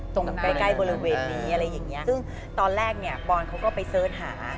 ตรงใกล้ใกล้บริเวณนี้อะไรอย่างเงี้ยซึ่งตอนแรกเนี่ยปอนเขาก็ไปเสิร์ชหา